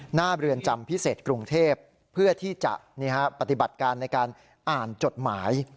หน้าเรือนจำพิเศษกรุงเทพเพื่อที่จะปฏิบัติการในการอ่านจดหมาย